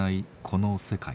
この世界。